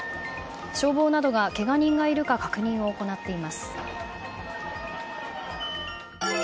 消防などが、けが人がいるか確認を行っています。